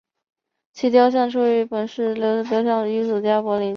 其雕塑出于本市六位雕塑家和一位柏林同行之手。